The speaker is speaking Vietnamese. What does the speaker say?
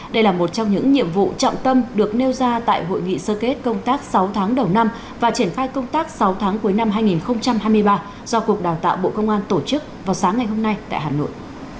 đây là một trong những nhiệm vụ trọng tâm được nêu ra tại hội nghị sơ kết công tác sáu tháng đầu năm và triển khai công tác sáu tháng cuối năm hai nghìn hai mươi ba do cục đào tạo bộ công an tổ chức vào sáng ngày hôm nay tại hà nội